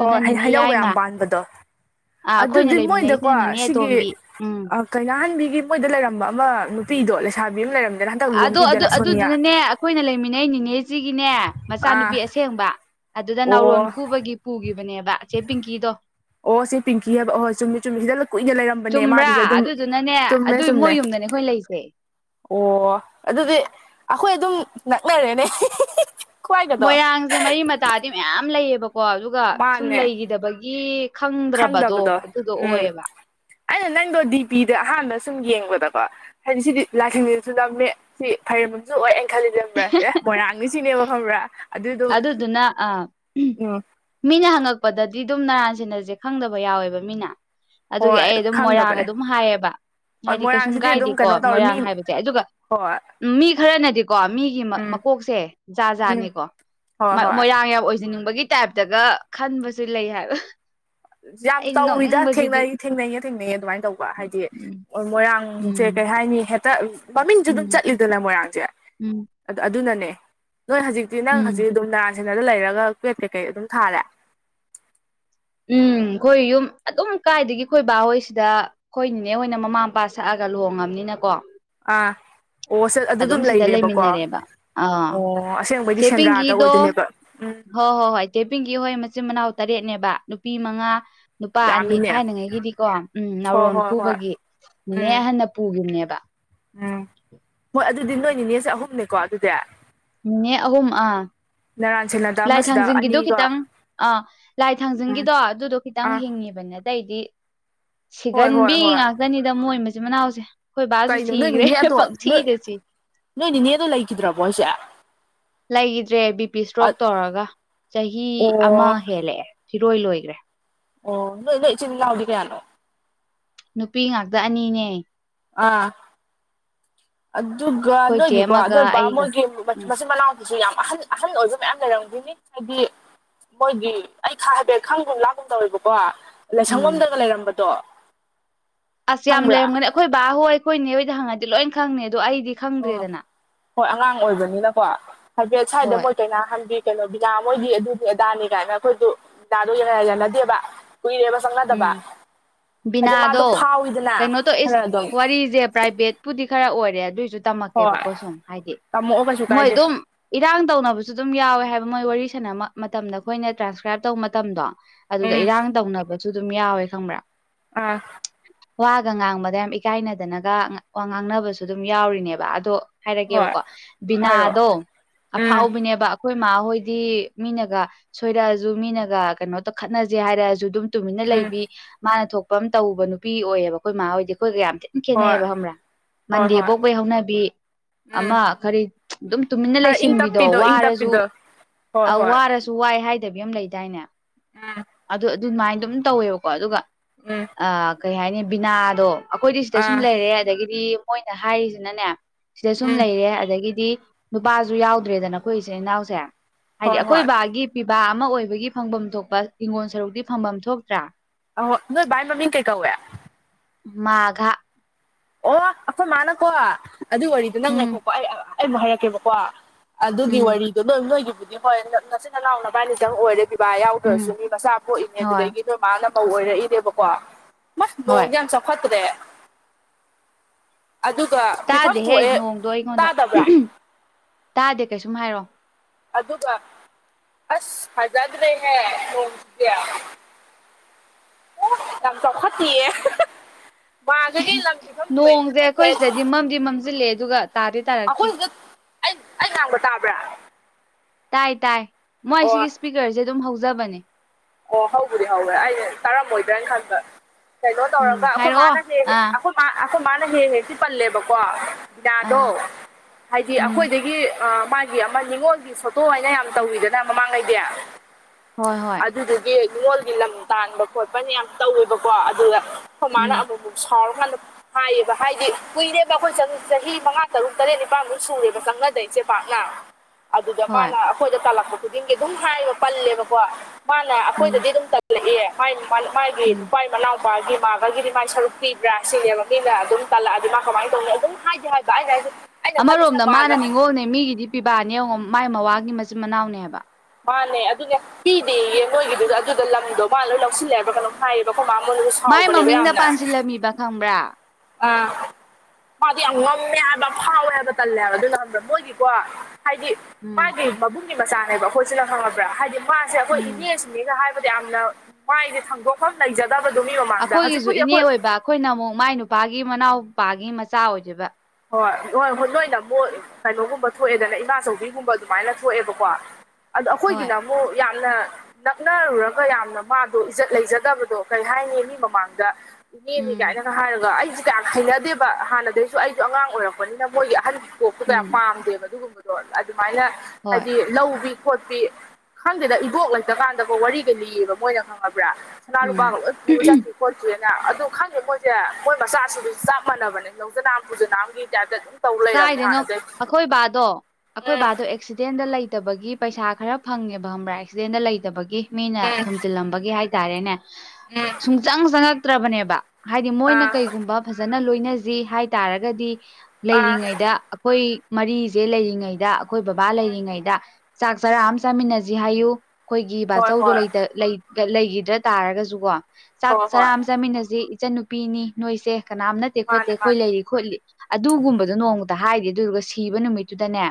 Speaker 1: ꯍꯣꯏ ꯍꯩꯅꯧꯒ
Speaker 2: ꯌꯥꯏꯃ
Speaker 1: ꯌꯥꯝ
Speaker 2: ꯑꯥ
Speaker 1: ꯄꯥꯟꯕꯗꯣ
Speaker 2: ꯑꯩꯈꯣꯏꯅ
Speaker 1: ꯑꯗꯨꯗꯤ ꯃꯣꯏꯗꯀꯣ
Speaker 2: ꯂꯩꯃꯤꯟꯅꯩꯁꯤꯅꯅꯦꯅꯦ
Speaker 1: ꯁꯤꯒꯤ
Speaker 2: ꯑꯇꯣꯝꯕꯤ ꯎꯝ
Speaker 1: ꯀꯩꯅꯥꯍꯟꯕꯤꯒꯤ ꯃꯣꯏꯗ ꯂꯩꯔꯝꯕ ꯑꯃ ꯅꯨꯄꯤꯗꯣ ꯂꯩꯁꯥꯕꯤ ꯑꯃ ꯂꯩꯔꯝꯗꯅ ꯍꯟꯗꯛ
Speaker 2: ꯑ ꯑꯗꯨ
Speaker 1: ꯂꯨꯍꯣꯡꯈꯤꯕꯗꯅ ꯁꯣꯅꯤꯌꯥ
Speaker 2: ꯑꯗꯨꯗꯨꯅꯅꯦ ꯑꯩꯈꯣꯏꯅ ꯂꯩꯃꯤꯟꯅꯩ ꯅꯤꯅꯦꯁꯤꯒꯤꯅꯦ
Speaker 1: ꯑꯥ
Speaker 2: ꯃꯆꯥꯅꯨꯄꯤ ꯑꯁꯦꯡꯕ ꯑꯗꯨꯗ ꯅꯥꯎꯔꯣꯟ
Speaker 1: ꯑꯣ
Speaker 2: ꯈꯨꯕꯒꯤ ꯄꯨꯈꯤꯕꯅꯦꯕ ꯑꯆꯦ ꯄꯤꯡꯀꯤꯗꯣ
Speaker 1: ꯑꯣ ꯁꯤ ꯄꯤꯡꯀꯤ ꯍꯥꯏꯕ ꯑꯣꯍꯣꯏ ꯆꯨꯝꯃꯤ ꯆꯨꯝꯃꯤꯁꯤꯗ ꯀꯨꯏꯅ ꯂꯩꯔꯝꯕ
Speaker 2: ꯆꯨꯝꯕ꯭ꯔꯥ ꯑꯗꯨꯗꯨꯅꯅꯦ ꯑꯗꯨꯏ ꯃꯣꯏ ꯌꯨꯝꯗꯅꯦ ꯑꯩꯈꯣꯏ ꯂꯩꯁꯦ
Speaker 1: ꯑꯣ ꯑꯗꯨꯗꯤ ꯑꯩꯈꯣꯏ ꯑꯗꯨꯝ ꯅꯛꯅꯔꯦꯅꯦ ꯈ꯭ꯋꯥꯏꯒꯗꯣ
Speaker 2: ꯃꯣꯏꯔꯥꯡꯁꯦ ꯃꯔꯤ ꯃꯇꯥꯗꯤ ꯃꯌꯥꯝ ꯂꯩꯌꯦꯕꯀꯣ ꯑꯗꯨꯒ ꯁꯨꯝ
Speaker 1: ꯃꯥꯅꯦ
Speaker 2: ꯂꯩꯈꯤꯗꯕꯒꯤ ꯈꯪꯗ꯭ꯔꯕꯗꯣ
Speaker 1: ꯈꯪꯗꯕꯗꯣ
Speaker 2: ꯑꯗꯨꯗꯣ
Speaker 1: ꯎꯝ
Speaker 2: ꯑꯣꯏꯌꯦꯕ
Speaker 1: ꯑꯩꯅ ꯅꯪꯗꯣ ꯗꯤ ꯄꯤꯗ ꯑꯍꯥꯟꯕ ꯁꯨꯝ ꯌꯦꯡꯕꯗꯀꯣ ꯍꯥꯏꯗꯤ ꯁꯤꯗꯤ ꯂꯥꯛꯈꯤꯅꯤꯁꯨ ꯂꯅꯦ ꯁꯤ ꯐꯩꯔꯝꯁꯨ ꯑꯣꯏ ꯑꯅ ꯈꯜꯂꯤꯂꯝꯕ꯭ꯔꯥ ꯑꯦ ꯃꯣꯏꯔꯥꯡꯅꯤ ꯁꯤꯅꯦꯕ ꯐꯪꯕ꯭ꯔꯥ
Speaker 2: ꯑꯗꯨꯗꯨꯅ ꯑ
Speaker 1: ꯎꯝ
Speaker 2: ꯃꯤꯅ ꯍꯪꯉꯛꯄꯗꯗꯤ ꯑꯗꯨꯝ ꯅꯔꯥꯟ ꯁꯤꯟꯅꯁꯦ ꯈꯪꯗꯕ ꯌꯥꯎꯋꯦꯕ ꯃꯤꯅ ꯑꯗꯨꯒꯤ
Speaker 1: ꯍꯣꯏ
Speaker 2: ꯑꯩ ꯑꯗꯨꯝ ꯃꯣꯏꯔꯥꯡ
Speaker 1: ꯈꯪꯗꯕꯅꯦ
Speaker 2: ꯑꯗꯨꯝ ꯍꯥꯏꯌꯦꯕ
Speaker 1: ꯍꯣꯏ
Speaker 2: ꯍꯥꯏꯗꯤ ꯀꯩꯁꯨꯝ
Speaker 1: ꯃꯣꯏꯔꯥꯡꯁꯤꯗꯤ ꯑꯗꯨꯝ
Speaker 2: ꯀꯥꯏꯗꯦꯀꯣ
Speaker 1: ꯀꯩꯅꯣ ꯇꯧꯔꯦ
Speaker 2: ꯃꯣꯏꯔꯥꯡ
Speaker 1: ꯃꯤ
Speaker 2: ꯍꯥꯏꯕꯁꯦ ꯑꯗꯨꯒ
Speaker 1: ꯍꯣꯏ
Speaker 2: ꯎꯝ ꯃꯤ ꯈꯔꯅꯗꯤꯀꯣ ꯃꯤꯒꯤ
Speaker 1: ꯎꯝ
Speaker 2: ꯃꯀꯣꯛꯁꯦ ꯖꯥ
Speaker 1: ꯎꯝ
Speaker 2: ꯖꯥꯠꯅꯤꯀꯣ
Speaker 1: ꯍꯣꯏ ꯍꯣꯏ
Speaker 2: ꯃꯣꯏꯔꯥꯡ ꯌꯥꯝ ꯑꯣꯏꯖꯅꯤꯡꯕꯒꯤ ꯇꯥꯏꯞꯇꯒ ꯈꯟꯕꯁꯨ ꯂꯩ ꯍꯥꯏꯕ
Speaker 1: ꯌꯥꯝ
Speaker 2: ꯑꯩ
Speaker 1: ꯇꯧꯔꯤꯗ
Speaker 2: ꯅꯣꯛꯅꯤꯡꯕꯁꯤꯗꯤ
Speaker 1: ꯊꯦꯡꯅꯩ ꯊꯦꯡꯅꯩꯌꯦ ꯊꯦꯡꯅꯩꯌꯦ ꯑꯗꯨꯃꯥꯏꯅ ꯇꯧꯕ ꯍꯥꯏꯗꯤ
Speaker 2: ꯎꯝ
Speaker 1: ꯃꯣꯏꯔꯥꯡ ꯎ ꯁꯦ
Speaker 2: ꯎꯝ
Speaker 1: ꯀꯩ ꯍꯥꯏꯅꯤ ꯍꯦꯛꯇ ꯃꯃꯤꯡꯁꯨ ꯑꯗꯨꯝ
Speaker 2: ꯎꯝ
Speaker 1: ꯆꯠꯂꯤꯗꯅ ꯃꯣꯏꯔꯥꯡꯁꯦ
Speaker 2: ꯎꯝ
Speaker 1: ꯑꯗꯨ ꯑꯗꯨꯅꯅꯦ ꯅꯣꯏ ꯍꯧꯖꯤꯛꯇꯤ ꯅꯪ
Speaker 2: ꯎꯝ
Speaker 1: ꯍꯧꯖꯤꯛ ꯑꯗꯨꯝ ꯅꯔꯥꯟ ꯁꯦꯟꯅꯗ ꯂꯩꯔꯒ ꯀꯋꯦꯠ ꯀꯩꯀꯩ ꯑꯗꯨꯝ ꯊꯥꯔꯦ
Speaker 2: ꯎꯝ ꯑꯩꯈꯣꯏ ꯌꯨꯝ ꯑꯗꯨꯝ ꯀꯥꯏꯗꯒꯤ ꯑꯩꯈꯣꯏ ꯕꯥꯍꯣꯏꯁꯤꯗ ꯑꯩꯈꯣꯏ ꯅꯤꯅꯦ ꯑꯣꯏꯅ ꯃꯃꯥ ꯃꯄꯥ ꯁꯛꯑꯒ ꯂꯨꯍꯣꯡꯉꯕꯅꯤꯅꯀꯣ
Speaker 1: ꯑꯥ ꯑꯣ ꯑꯗꯨ ꯑꯗꯨꯝ
Speaker 2: ꯁꯤꯗ
Speaker 1: ꯂꯩꯔꯦꯕꯀꯣ ꯑꯣ
Speaker 2: ꯂꯩꯃꯤꯟꯅꯔꯦꯕ ꯑꯥ
Speaker 1: ꯑꯁꯦꯡꯕꯩꯗꯤ
Speaker 2: ꯆꯦ
Speaker 1: ꯁꯦꯟꯗ꯭ꯔꯥꯗ
Speaker 2: ꯄꯤꯡꯀꯤꯗꯣ
Speaker 1: ꯑꯣꯏꯗꯣꯏꯅꯦꯕ ꯎꯝ
Speaker 2: ꯍꯣꯏ ꯍꯣꯏ ꯍꯣꯏ ꯗꯦꯕꯤꯡꯒꯤ ꯍꯣꯏ ꯃꯆꯤꯟ ꯃꯅꯥꯎ ꯇꯔꯦꯠꯅꯦꯕ ꯅꯨꯄꯤ ꯃꯉꯥ ꯅꯨꯄꯥ ꯑꯅꯤ
Speaker 1: ꯌꯥꯝꯃꯤꯅꯦ
Speaker 2: ꯊꯥꯏꯅꯉꯩꯒꯤꯗꯤꯀꯣ ꯎꯝ
Speaker 1: ꯍꯣꯏ
Speaker 2: ꯅꯥꯎꯔꯣꯟ
Speaker 1: ꯍꯣꯏ ꯍꯣꯏ
Speaker 2: ꯈꯨꯕꯒꯤ ꯏꯅꯦ
Speaker 1: ꯎꯝ
Speaker 2: ꯍꯟꯅ ꯄꯨꯈꯤꯕꯅꯦꯕ
Speaker 1: ꯎꯝ ꯍꯣꯏ ꯑꯗꯨꯗꯤ ꯅꯣꯏ ꯅꯤꯅꯦꯁꯦ ꯑꯍꯨꯝꯅꯦꯀꯣ ꯑꯗꯨꯗꯤ
Speaker 2: ꯅꯤꯅꯦ ꯑꯍꯨꯝ ꯑ
Speaker 1: ꯅꯥꯔꯟꯁꯦꯟꯅꯗ
Speaker 2: ꯂꯥꯏ ꯊꯥꯡꯖꯤꯡꯒꯤꯗꯣ ꯈꯤꯇꯪ ꯑꯥ ꯂꯥꯏ
Speaker 1: ꯎꯝ
Speaker 2: ꯊꯥꯡꯖꯤꯡꯒꯤꯗꯣ ꯑꯗꯨꯗꯣ ꯈꯤꯇꯪ
Speaker 1: ꯑꯥ
Speaker 2: ꯍꯤꯡꯉꯤꯕ ꯑꯇꯩꯗꯤ
Speaker 1: ꯍꯣꯏ ꯍꯣꯏ
Speaker 2: ꯁꯤꯒꯟꯕꯤ
Speaker 1: ꯍꯣꯏ
Speaker 2: ꯉꯥꯛꯇꯅꯤꯗ ꯃꯣꯏ ꯃꯆꯤꯟ ꯃꯅꯥꯎꯗꯤ ꯑꯩꯈꯣꯏ ꯕꯥꯁꯨ
Speaker 1: ꯀꯩꯅꯣ ꯅꯣꯏ
Speaker 2: ꯁꯤꯈ꯭ꯔꯦ
Speaker 1: ꯅꯤꯅꯦ ꯑꯗꯣ
Speaker 2: ꯄꯪ
Speaker 1: ꯅꯣꯏ
Speaker 2: ꯁꯤꯗꯁꯤ
Speaker 1: ꯅꯣꯏ ꯅꯤꯅꯦꯗꯣ ꯂꯩꯈꯤꯗ꯭ꯔꯕꯣ ꯍꯥꯏꯁꯦ꯫
Speaker 2: ꯂꯩꯈꯤꯗ꯭ꯔꯦ ꯕꯤ ꯄꯤ ꯏꯁꯇ꯭ꯔꯣꯛ
Speaker 1: ꯑꯣ
Speaker 2: ꯇꯧꯔꯒ ꯆꯍꯤ ꯑꯃ ꯍꯦꯜꯂꯛꯑꯦ ꯐꯤꯔꯣꯏ ꯂꯣꯏꯈ꯭ꯔꯦ
Speaker 1: ꯑꯣ ꯅꫭꯏ ꯅꫭꯏ ꯏꯆꯤꯟ ꯏꯅꯥꯎꯗꯤ ꯀꯌꯥꯅꫭ
Speaker 2: ꯅꯨꯄꯤ ꯉꯥꯛꯇ ꯑꯅꯤꯅꯦ
Speaker 1: ꯑꯥ ꯑꯗꯨꯒ
Speaker 2: ꯑꯩꯈꯣꯏ ꯆꯦ
Speaker 1: ꯅꯣꯏꯒꯤꯀꯣ
Speaker 2: ꯑꯃꯒ
Speaker 1: ꯅꯣꯏ ꯕꯥ
Speaker 2: ꯑꯩꯒ
Speaker 1: ꯃꯣꯏꯒꯤ
Speaker 2: ꯎꯝ
Speaker 1: ꯃꯆꯤꯟ ꯃꯅꯥꯎꯗꯨꯁꯨ ꯌꯥꯝ ꯑꯍꯟ ꯑꯍꯟ ꯑꯣꯏꯕ ꯃꯌꯥꯝ ꯂꯩꯔꯝꯗꯣꯏꯅꯤ ꯍꯥꯏꯗꯤ ꯃꯣꯏꯒꯤ ꯑꯩ ꯈ ꯍꯥꯏꯐꯦꯠ ꯈꯪꯒꯨꯝ ꯂꯥꯛꯒꯨꯝ ꯇꯧꯋꯦꯕꯀꯣ
Speaker 2: ꯎꯝ
Speaker 1: ꯂꯥꯏꯁꯪꯐꯝꯗꯒ ꯂꯩꯔꯝꯕꯗꯣ
Speaker 2: ꯑꯁ ꯌꯥꯝ
Speaker 1: ꯈꯪꯕ꯭ꯔꯥ
Speaker 2: ꯂꯩꯔꯝꯒꯅꯤ ꯑꯩꯈꯣꯏ ꯕꯥꯍꯣꯏ ꯑꯩꯈꯣꯏ ꯅꯦ ꯍꯣꯏꯗ ꯍꯪꯉꯗꯤ ꯂꯣꯏ ꯈꯪꯅꯤ ꯑꯗꯣ ꯑꯩꯗꯤ
Speaker 1: ꯎꯝ
Speaker 2: ꯈꯪꯗ꯭ꯔꯦꯗꯅ
Speaker 1: ꯍꯣꯏ ꯑꯉꯥꯡ ꯑꯣꯏꯕꯅꯤꯅꯀꯣ ꯍꯥꯏꯐꯦꯠ ꯁ꯭ꯋꯥꯏꯗ
Speaker 2: ꯍꯣꯏ
Speaker 1: ꯀꯩꯅꯅꯥ ꯍꯟꯕꯤ ꯀꯩꯅꯣ ꯕꯤꯅꯥ ꯃꯣꯏꯗꯤ ꯑꯗꯨꯗꯤ ꯑꯗꯥꯅꯤ ꯀꯥꯏꯅ ꯑꯩꯈꯣꯏꯗ ꯅꯥꯔꯨ ꯌꯦ ꯍꯥꯏꯒ ꯅꯗꯦꯕ ꯀꯨꯏꯔꯦꯕ ꯆꯪꯅꯗꯕ
Speaker 2: ꯎꯝ
Speaker 1: ꯍꯥꯏꯗꯤ
Speaker 2: ꯕꯤꯅꯥꯗꯣ
Speaker 1: ꯃꯥꯗꯣ ꯐꯥꯎꯋꯤꯗꯅ
Speaker 2: ꯀꯩꯅꯣꯗꯣ ꯏꯁ
Speaker 1: ꯈꯔ ꯑꯗꯨꯝ
Speaker 2: ꯋꯥꯔꯤꯁꯦ ꯄ꯭ꯔꯥꯏꯚꯦꯠ ꯄꯨꯨꯗꯤ ꯈꯔ ꯑꯣꯏꯔꯦ ꯑꯗꯨꯑꯣꯏꯁꯨ
Speaker 1: ꯍꯣꯏ
Speaker 2: ꯇꯝꯃꯛꯀꯦꯕꯀꯣ ꯁꯨꯝ ꯍꯥꯏꯗꯤ
Speaker 1: ꯇꯝꯃꯛꯑꯣ ꯀꯩꯁꯨ
Speaker 2: ꯃꯣꯏ
Speaker 1: ꯀꯥꯏꯗꯦ
Speaker 2: ꯑꯗꯨꯝ ꯏꯔꯥꯡ ꯇꯧꯅꯕꯁꯨ ꯑꯗꯨꯝ ꯌꯥꯎꯋꯦ ꯍꯥꯏꯕ ꯃꯣꯏ ꯋꯥꯔꯤ ꯁꯥꯟꯅꯕ ꯃꯇꯝꯗ ꯑꯩꯈꯣꯏꯅ ꯇ꯭ꯔꯥꯟꯁꯀ꯭ꯔꯥꯏꯞ ꯇꯧꯕ ꯃꯇꯝꯗꯣ ꯑꯗꯨꯗ
Speaker 1: ꯎꯝ
Speaker 2: ꯏꯔꯥꯡ ꯇꯧꯅꯕꯁꯨ ꯑꯗꯨꯝ ꯌꯥꯎꯋꯦ ꯈꯪꯕ꯭ꯔꯥ
Speaker 1: ꯑꯥ
Speaker 2: ꯋꯥꯒ ꯉꯥꯡꯕꯗ ꯌꯥꯝ ꯏꯀꯥꯏꯅꯗꯅꯒ ꯋꯥ ꯉꯥꯡꯅꯕꯁꯨ ꯑꯗꯨꯝ ꯌꯥꯎꯔꯤꯅꯦꯕ ꯑꯗꯣ
Speaker 1: ꯍꯣꯏ
Speaker 2: ꯍꯥꯏꯔꯛꯀꯦꯕꯀꯣ
Speaker 1: ꯍꯥꯏꯔꯛꯑꯣ
Speaker 2: ꯕꯤꯅꯥꯗꯣ
Speaker 1: ꯎꯝ
Speaker 2: ꯑꯐꯥꯎꯕꯤꯅꯦꯕ ꯑꯩꯈꯣꯏ ꯃꯥ ꯍꯣꯏꯗꯤ ꯃꯤꯅꯒ ꯁꯣꯏꯔꯛꯑꯁꯨ ꯃꯤꯅꯒ ꯀꯩꯅꯣꯇ ꯈꯠꯅꯁꯦ ꯍꯥꯏꯔꯛꯑꯁꯨ ꯑꯗꯨꯝ ꯇꯨꯃꯤꯟꯅ
Speaker 1: ꯎꯝ
Speaker 2: ꯂꯩꯕꯤ ꯃꯥꯅ ꯊꯣꯛꯄ ꯑꯃ ꯇꯧꯕ ꯅꯨꯄꯤ ꯑꯣꯏꯌꯦꯕ ꯑꯩꯈꯣꯏ ꯃꯥꯥ ꯍꯣꯏꯗꯤ ꯑꯩꯈꯣꯏꯒ ꯌꯥꯝ ꯊꯤꯅ
Speaker 1: ꯍꯣꯏ
Speaker 2: ꯈꯦꯠꯅꯩꯑꯕ ꯈꯪꯕꯔꯥ
Speaker 1: ꯍꯣꯏ
Speaker 2: ꯃꯟꯗꯦ
Speaker 1: ꯍꯣꯏ
Speaker 2: ꯄꯣꯛꯄꯩ ꯍꯧꯅꯕꯤ
Speaker 1: ꯎꯝ
Speaker 2: ꯑꯃ ꯀꯔꯤ ꯑꯗꯨꯝ ꯇꯨꯃꯤꯟꯅ
Speaker 1: ꯈꯔ ꯏꯪ
Speaker 2: ꯂꯩꯁꯤꯟꯕꯤꯗꯣ
Speaker 1: ꯇꯞꯄꯤꯗꯣ ꯏꯪ
Speaker 2: ꯋꯥꯔꯁꯨ
Speaker 1: ꯇꯞꯄꯤꯗꯣ ꯍꯣꯏ
Speaker 2: ꯑꯥ
Speaker 1: ꯍꯣꯏ
Speaker 2: ꯋꯥꯔꯁꯨ ꯁꯨ ꯋꯥꯏ ꯍꯥꯏꯗꯕꯤ ꯑꯃ ꯂꯩꯗꯥꯏꯅꯦ
Speaker 1: ꯎꯝ
Speaker 2: ꯑꯗꯨ ꯑꯗꯨꯃꯥꯏꯅ ꯑꯗꯨꯝ ꯇꯧꯋꯦꯕꯀꯣ ꯑꯗꯨꯒ
Speaker 1: ꯎꯝ
Speaker 2: ꯀꯩ ꯍꯥꯏꯅꯤ ꯕꯤꯅꯥꯗꯣ ꯑꯩꯈꯣꯏꯗꯤ ꯁꯤꯗ ꯁꯨꯝ
Speaker 1: ꯑꯥ
Speaker 2: ꯂꯩꯔꯦ ꯑꯗꯒꯤꯗꯤ ꯃꯣꯏꯅ ꯍꯥꯏꯔꯤꯁꯤꯅꯅꯦ ꯁꯤꯗ ꯁꯨꯝ
Speaker 1: ꯎꯝ
Speaker 2: ꯂꯩꯔꯦ ꯑꯗꯒꯤꯗꯤ ꯅꯨꯄꯥꯁꯨ ꯌꯥꯎꯗ꯭ꯔꯦꯗꯅ ꯑꯩꯈꯣꯏ ꯏꯆꯤꯟ ꯏꯅꯥꯎꯁꯦ ꯍꯥꯏꯗꯤ
Speaker 1: ꯍꯣꯏ
Speaker 2: ꯑꯩꯈꯣꯏ
Speaker 1: ꯍꯣꯏ
Speaker 2: ꯕꯥꯒꯤ ꯄꯤꯕꯥ ꯑꯃ ꯑꯣꯏꯕꯒꯤ ꯐꯪꯐꯝ ꯊꯣꯛꯄ ꯍꯤꯡꯒꯣꯜ ꯁꯔꯨꯛꯇꯤ ꯐꯪꯐꯝ ꯊꯣꯛꯇ꯭ꯔꯥ
Speaker 1: ꯑꯍꯣ ꯅꯣꯏ ꯕꯥꯏ ꯃꯥꯃꯤꯡ ꯀꯩ ꯀꯧꯋꯦ
Speaker 2: ꯃꯥꯘꯥ
Speaker 1: ꯑꯣ ꯑꯩꯈꯣꯏ ꯃꯥꯅꯀꯣ ꯑꯗꯨ ꯋꯥꯔꯤꯗꯨ ꯅꯪ
Speaker 2: ꯎꯝ
Speaker 1: ꯉꯥꯏꯈꯣꯀꯣ ꯑꯩ ꯑꯩ ꯑꯃꯨꯛ ꯍꯥꯏꯔꯛꯀꯦꯕꯀꯣ ꯑꯗꯨꯒꯤ
Speaker 2: ꯎꯝ
Speaker 1: ꯋꯥꯔꯤꯗꯣ ꯅꯣꯏ ꯅꯣꯏꯒꯤꯕꯨꯗꯤ ꯍꯣꯏ ꯅꯆꯤꯟ ꯅꯅꯥꯎ ꯅꯕꯥꯏꯅꯤꯗꯪ ꯑꯣꯏꯔꯦ ꯄꯤꯕꯥ ꯌꯥꯎꯗ꯭ꯔꯁꯨ
Speaker 2: ꯎꯝ
Speaker 1: ꯃꯤ ꯃꯆꯥ ꯄꯣꯛꯏꯅꯦ
Speaker 2: ꯍꯣꯏ
Speaker 1: ꯑꯗꯨꯗꯒꯤ ꯅꯣꯏ ꯃꯥꯅ ꯃꯧ ꯑꯣꯏꯔꯛꯏꯅꯦꯕꯀꯣ ꯃꯥ
Speaker 2: ꯍꯣꯏ
Speaker 1: ꯅꯣꯡꯁꯦ ꯌꯥꯝ ꯆꯥꯎꯈꯠꯇ꯭ꯔꯦ ꯑꯗꯨꯒ ꯄꯤꯐꯝ
Speaker 2: ꯇꯥꯗꯦꯍꯦ
Speaker 1: ꯊꯣꯛꯑꯦ
Speaker 2: ꯅꯣꯡꯗꯣ ꯑꯩꯉꯣꯟꯗ
Speaker 1: ꯇꯥꯗꯕ꯭ꯔꯥ
Speaker 2: ꯇꯥꯗꯦ ꯀꯩꯁꯨꯝ ꯍꯥꯏꯔꯣ
Speaker 1: ꯑꯗꯨꯒ ꯑꯁ ꯐꯖꯗ꯭ꯔꯦ ꯍꯦ ꯅꯣꯡꯁꯤꯗꯤ ꯑꯣ ꯌꯥꯝ ꯆꯥꯎꯈꯠꯇꯤꯌꯦ ꯃꯥꯒꯒꯤ ꯂꯝ ꯄꯤꯐꯝ ꯊꯣꯛꯑꯦ
Speaker 2: ꯅꯣꯡꯁꯦ
Speaker 1: ꯄꯤꯐꯝ ꯊꯣꯛꯑꯦ
Speaker 2: ꯑꯩꯈꯣꯏ ꯁꯤꯗꯗꯤ ꯃꯝꯗꯤ ꯃꯝꯖꯤꯜꯂꯛꯑꯦ ꯑꯗꯨꯒ ꯇꯥꯗꯤ ꯇꯥꯔꯛꯇ꯭ꯔꯤ
Speaker 1: ꯑꯩꯈꯣꯏ ꯁꯤꯗ ꯑꯩ ꯑꯩ ꯉꯥꯡꯕ ꯇꯥꯕ꯭ꯔꯥ
Speaker 2: ꯇꯥꯏ ꯇꯥꯏ ꯃꯣꯏ
Speaker 1: ꯑꯣ
Speaker 2: ꯁꯤꯒꯤ ꯁꯄꯤꯀꯔꯁꯦ ꯑꯗꯨꯝ ꯍꯧꯖꯕꯅꯦ
Speaker 1: ꯑꯣ ꯍꯧꯕꯗꯤ ꯍꯧꯔꯦ ꯑꯩꯅ ꯇꯥꯔꯝꯃꯣꯏꯗ꯭ꯔꯅ ꯈꯟꯕ ꯀꯩꯅꯣ
Speaker 2: ꯎꯝ
Speaker 1: ꯇꯧꯔꯒ ꯑꯩꯈꯣꯏ ꯃꯥꯅ
Speaker 2: ꯍꯥꯏꯔꯛꯑꯣ
Speaker 1: ꯍꯦꯛ
Speaker 2: ꯑꯥ
Speaker 1: ꯑꯩꯈꯣꯏ ꯑꯩꯈꯣꯏ ꯃꯥꯅ ꯍꯦꯛ ꯍꯦꯛꯇꯤ ꯄꯜꯂꯦꯕꯀꯣ ꯕꯤꯅꯥꯗꯣ
Speaker 2: ꯑꯥ
Speaker 1: ꯍꯥꯏꯗꯤ
Speaker 2: ꯎꯝ
Speaker 1: ꯑꯩꯈꯣꯏꯗꯒꯤ ꯃꯥꯏ ꯒꯤ ꯑꯃ ꯅꯤꯡꯉꯣꯜꯒꯤ ꯁꯣꯇꯣ ꯍꯥꯏꯅ ꯌꯥꯝ ꯇꯧꯋꯤꯗꯅ ꯃꯃꯥꯡꯉꯩꯗꯤ
Speaker 2: ꯍꯣꯏ ꯍꯣꯏ
Speaker 1: ꯑꯗꯨꯗꯨꯒꯤ ꯅꯤꯡꯉꯣꯜꯒꯤ ꯂꯝ ꯇꯥꯟꯕ ꯈꯣꯠꯄꯅ ꯌꯥꯝ ꯇꯧꯋꯦꯕꯀꯣ ꯑꯗꯨꯗ ꯑꯩꯈꯣꯏꯃꯥꯅ
Speaker 2: ꯎꯝ
Speaker 1: ꯑꯃꯨꯛ ꯑꯃꯨꯛ ꯁꯥꯎꯔꯀꯥꯟꯗ ꯍꯥꯏꯌꯦꯕ ꯍꯥꯏꯗꯤ ꯀꯨꯏꯔꯦꯕ ꯑꯩꯈꯣꯏ ꯆꯍꯤ ꯃꯉꯥ ꯇꯔꯨꯛ ꯇꯔꯦꯠ ꯅꯤꯄꯥꯥꯟꯃꯨꯛ ꯁꯨꯔꯦꯕ ꯆꯪꯅꯗꯩꯁꯦ ꯄꯥꯛꯅ [unintelligible] ꯑꯗꯨꯗ
Speaker 2: ꯍꯣꯏ
Speaker 1: ꯃꯥꯅ ꯑꯩꯈꯣꯏꯗ ꯇꯥꯜꯂꯛꯄ ꯈꯨꯗꯤꯡꯒꯤ ꯑꯗꯨꯝ ꯍꯥꯏꯕ ꯄꯜꯂꯦꯕꯀꯣ ꯃꯥꯅ ꯑꯩꯈꯣꯏꯗꯗꯤ
Speaker 2: ꯎꯝ
Speaker 1: ꯑꯗꯨꯝ ꯃꯥꯒꯤ
Speaker 2: ꯎꯝ
Speaker 1: ꯅꯨꯄꯥꯥꯏ ꯃꯅꯥꯎ ꯃꯥꯒꯤ ꯃꯥꯘꯥꯒꯤꯗꯤ ꯃꯥꯒꯤ ꯁꯔꯨꯛ ꯄꯤꯕ꯭ꯔꯥ ꯁꯤꯅꯦꯕ ꯃꯤꯅ ꯑꯗꯨꯝ ꯇꯜꯂꯛꯑꯗꯤ ꯃꯥ ꯀꯃꯥꯏꯅ ꯇꯧꯅꯤ ꯑꯗꯨꯝ ꯍꯥꯏꯗꯤ ꯍꯥꯏꯕ ꯑꯩꯗꯤ ꯍꯥꯏꯁꯦ ꯑꯩꯅ ꯈꯜꯂꯤꯁꯤꯅ
Speaker 2: ꯑꯃꯔꯣꯝꯗ ꯃꯥꯅ
Speaker 1: ꯃꯥꯒ
Speaker 2: ꯅꯤꯡꯉꯣꯜꯅꯦ ꯃꯤꯒꯤꯗꯤ ꯄꯤꯕꯥꯅꯦ ꯌꯦꯡꯉꯣ ꯃꯥꯏ ꯃꯋꯥꯒꯤ ꯃꯆꯤꯟ ꯃꯅꯥꯎꯅꯦꯕ
Speaker 1: ꯃꯥꯅꯦ ꯑꯗꯨꯅꯦ ꯄꯤꯗꯦꯌꯦ ꯃꯣꯏꯒꯤꯗꯨꯗ ꯑꯗꯨꯗ ꯂꯝꯗꯣ ꯃꯥ ꯂꯣꯏ ꯂꯧꯁꯤꯜꯂꯦꯑꯕꯥ ꯀꯩꯅꯣꯝ ꯍꯥꯏ ꯈꯣꯏ ꯃꯥ ꯃꯣꯏꯅꯁꯨ ꯁꯥꯎꯕꯅꯦꯕ ꯌꯥꯝꯅ
Speaker 2: ꯈꯪꯕꯔ
Speaker 1: ꯑꯥ ꯃꯥꯗꯤ ꯌꯥꯝ ꯉꯝꯃꯦ ꯍꯥꯏꯕ ꯐꯥꯎꯋꯦ ꯍꯥꯏꯕ ꯇꯜꯂꯦꯕ ꯑꯗꯨꯅ ꯃꯣꯏꯒꯤꯀꯣ ꯍꯥꯏꯗꯤ
Speaker 2: ꯎꯝ
Speaker 1: ꯃꯥꯒꯤ ꯃꯕꯨꯡꯒꯤ ꯃꯆꯥꯅꯦꯕ ꯑꯩꯈꯣꯏ ꯁꯤꯅ ꯈꯪꯉꯕ꯭ꯔꯥ ꯍꯥꯏꯗꯤ ꯃꯥꯁꯦ ꯑꯩꯈꯣꯏ
Speaker 2: ꯎꯝ
Speaker 1: ꯏꯅꯦꯁꯤꯡꯅꯦꯅ ꯍꯥꯏꯕꯗ ꯌꯥꯝꯅ ꯃꯥꯏꯁꯦ ꯊꯥꯡꯗꯣꯛꯐꯝ ꯂꯩꯖ ꯐꯖꯗꯕꯗꯣ ꯃꯤ ꯃꯥꯡꯗ
Speaker 2: ꯑꯩꯈꯣꯏꯒꯤꯁꯨ
Speaker 1: ꯍꯧꯖꯤꯛꯕꯨꯗꯤ
Speaker 2: ꯏꯅꯦ
Speaker 1: ꯑꯩꯈꯣꯏ
Speaker 2: ꯑꯣꯏꯕ ꯑꯩꯈꯣꯏꯅ ꯑꯃꯨꯛ ꯃꯥꯏ ꯅꯨꯄꯥꯒꯤ ꯃꯅꯥꯎꯄꯥꯒꯤ ꯃꯆꯥ ꯑꯣꯏꯗꯣꯏꯕ
Speaker 1: ꯍꯣꯏ ꯍꯣꯏ ꯍꯣꯏ ꯅꯣꯏꯅ ꯃꯨꯛ ꯀꯩꯅꯣꯒꯨꯝꯕ ꯊꯣꯛꯑꯦꯗꯅ ꯏꯃꯥꯆꯧꯕꯤꯒꯨꯝꯕ ꯑꯗꯨꯃꯥꯏꯅ ꯊꯣꯛꯑꯦꯕꯀꯣ ꯑꯗꯣ
Speaker 2: ꯍꯣꯏ
Speaker 1: ꯑꯩꯈꯣꯏꯒꯤꯅ ꯕꯨ ꯌꯥꯝꯅ ꯅꯛꯅꯔꯨꯔꯒ ꯌꯥꯝꯅ ꯃꯥꯗꯣ ꯏꯖꯠ ꯂꯩꯖꯗꯕꯗꯣ ꯀꯔꯤ ꯍꯥꯏꯅꯤ ꯃꯤ ꯃꯃꯥꯡꯗ ꯏꯅꯦꯅꯤ
Speaker 2: ꯎꯝ
Speaker 1: ꯒꯥꯏꯅꯒ ꯍꯥꯏꯔꯒ ꯑꯩꯁ ꯀꯌꯥꯝ ꯍꯩꯅꯗꯦꯕ ꯍꯥꯟꯅꯗꯩꯁꯨ ꯑꯩꯁꯨ ꯑꯉꯥꯡ ꯑꯣꯏꯔꯛꯄꯅꯤꯅ ꯃꯣꯏꯒꯤ ꯑꯍꯟ ꯄꯣꯛꯄ ꯀꯌꯥ
Speaker 2: ꯎꯝ
Speaker 1: ꯄꯥꯝꯗꯦꯕ ꯑꯗꯨꯒꯨꯝꯕꯗꯣ ꯑꯗꯨꯃꯥꯏꯅ
Speaker 2: ꯍꯣꯏ
Speaker 1: ꯍꯥꯏꯗꯤ ꯂꯧꯒꯤ ꯄꯣꯠꯄꯤ ꯈꯪꯗꯦꯗ ꯏꯕꯣꯛ ꯂꯩꯇ ꯀꯥꯟꯗꯕꯨ ꯋꯥꯔꯤꯒ ꯂꯤꯌꯦꯕ ꯃꯣꯏꯅ ꯈꯪꯉꯕ꯭ꯔꯥ ꯁꯅꯥ
Speaker 2: ꯎꯝ
Speaker 1: ꯂꯨꯄꯥꯒ ꯂꯣꯏ ꯄꯨꯔꯥ ꯆꯠꯈꯤ ꯈꯣꯏꯆꯦꯅ ꯑꯗꯨ ꯈꯪꯗꯦ ꯃꯣꯏꯁꯦ ꯃꯣꯏ ꯃꯆꯥꯁꯤꯡꯗꯨꯁꯨ ꯆꯞ ꯃꯥꯟꯅꯕꯅꯦ ꯂꯧꯖꯅꯥꯝ ꯄꯨꯖꯅꯥꯝꯒꯤ ꯇꯥꯞꯇ ꯑꯗꯨꯝ ꯇꯧ ꯂꯩꯔꯕꯅꯦ
Speaker 2: ꯀꯥꯏꯗꯩꯅꯣ
Speaker 1: ꯍꯥꯟꯅꯗꯩ
Speaker 2: ꯑꯩꯈꯣꯏ ꯕꯥꯗꯣ ꯑꯩꯈꯣꯏ
Speaker 1: ꯎꯝ
Speaker 2: ꯕꯥꯗꯣ ꯑꯦꯛꯁꯤꯗꯦꯟꯗ ꯂꯩꯇꯕꯒꯤ ꯄꯩꯁꯥ ꯈꯔ ꯐꯪꯉꯦꯕ ꯈꯪꯕ꯭ꯔꯥ ꯑꯦꯛꯁꯤꯗꯦꯟꯗ ꯂꯩꯇꯕꯒꯤ ꯃꯤꯅ
Speaker 1: ꯎꯝ
Speaker 2: ꯊꯣꯝꯖꯤꯜꯂꯝꯕꯒꯤ ꯍꯥꯏꯇꯥꯔꯦꯅꯦ
Speaker 1: ꯎꯝ
Speaker 2: ꯁꯨꯡꯆꯪ ꯆꯪꯉꯛꯇ꯭ꯔꯕꯅꯦꯕ ꯍꯥꯏꯗꯤ ꯃꯣꯏꯅ
Speaker 1: ꯑꯥ
Speaker 2: ꯀꯩꯒꯨꯝꯕ ꯐꯖꯅ ꯂꯣꯏꯅꯁꯤ ꯍꯥꯏꯇꯥꯔꯒꯗꯤ
Speaker 1: ꯑꯥ
Speaker 2: ꯂꯩꯔꯤꯉꯩꯗ ꯑꯩꯈꯣꯏ ꯃꯔꯤꯁꯦ ꯂꯩꯔꯤꯉꯩꯗ ꯑꯩꯈꯣꯏ ꯕꯕꯥ
Speaker 1: ꯎꯝ
Speaker 2: ꯂꯩꯔꯤꯉꯩꯗ ꯆꯥꯛ ꯆꯔꯥ
Speaker 1: ꯎꯝ
Speaker 2: ꯑꯃ ꯆꯥꯃꯤꯟꯅꯁꯤ ꯍꯥꯏꯌꯨ ꯑꯩꯈꯣꯏꯒꯤ
Speaker 1: ꯍꯣꯏ
Speaker 2: ꯕꯥꯆꯧꯗꯣ
Speaker 1: ꯍꯣꯏ
Speaker 2: ꯂꯩꯇ ꯂꯩ ꯂꯩꯈꯤꯗ꯭ꯔ ꯇꯥꯔꯒꯁꯨ ꯀꯣ ꯆꯥꯛ
Speaker 1: ꯍꯣꯏ
Speaker 2: ꯆꯔꯥ
Speaker 1: ꯍꯣꯏ
Speaker 2: ꯑꯃ ꯆꯥꯃꯤꯟꯅꯁꯤ ꯏꯆꯟ ꯅꯨꯄꯤ ꯄꯤꯅꯤ ꯅꯣꯏꯁꯦ ꯀꯅꯥꯝ ꯅꯠꯇꯦ ꯈꯣꯠꯇꯦ
Speaker 1: ꯃꯥꯅꯦ
Speaker 2: ꯑꯩꯈꯣꯏ
Speaker 1: ꯃꯥꯅꯦ
Speaker 2: ꯂꯩꯔꯤ ꯈꯣꯠꯂꯤ ꯑꯗꯨꯒꯨꯝꯕꯗꯣ ꯅꯣꯡꯃꯇ ꯍꯥꯏꯗꯦ ꯑꯗꯨꯗꯨꯒ ꯁꯤꯕ ꯅꯨꯃꯤꯠꯇꯨꯗꯅꯦ